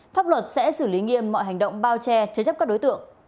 pháp luật sẽ xử lý nghiêm mọi hành động bao che chế chấp các đối tượng